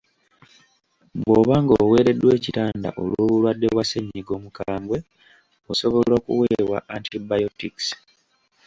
Bw’oba ng’oweereddwa ekitanda olw’obulwadde bwa ssennyiga omukambwe, osobola okuweebwa antibiotics.